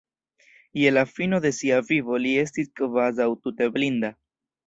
Je la fino de sia vivo li estis kvazaŭ tute blinda.